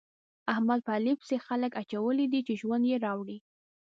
احمد په علي پسې خلګ اچولي دي چې ژوند يې راوړي.